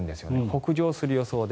北上する予想で。